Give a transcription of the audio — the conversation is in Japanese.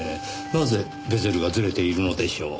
なぜベゼルがずれているのでしょう。